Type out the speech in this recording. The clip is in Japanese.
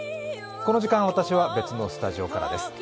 この時間、私は別のスタジオからです。